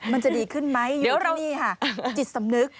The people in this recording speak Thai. มันจะดีขึ้นไหมนี่ค่ะจิตสำนึก